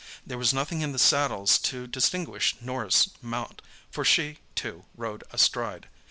There was nothing in the saddles to distinguish Norah's mount, for she, too, rode astride.